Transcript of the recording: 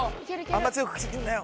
あんま強く吹くなよ。